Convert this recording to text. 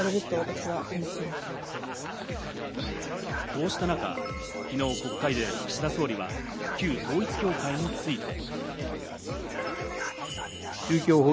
こうした中、昨日国会で岸田総理は旧統一教会について。